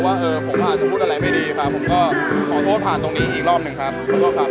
ว่าผมอาจจะพูดอะไรไม่ดีผมก็ขอโทษผ่านตรงนี้อีกรอบหนึ่งครับ